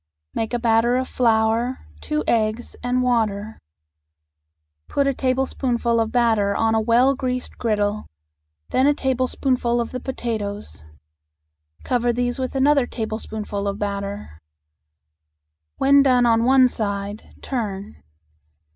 Make a batter of flour, two eggs, and water. Put a tablespoonful of batter on a well greased griddle, then a tablespoonful of the potatoes. Cover these with another tablespoonful of batter. When done on one side, turn.